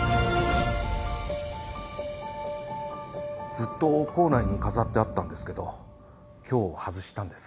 ずっと構内に飾ってあったんですけど今日外したんです。